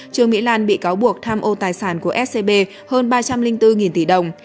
trương mỹ lan bị cáo buộc tham ô tài sản của scb hơn ba trăm linh bốn tỷ đồng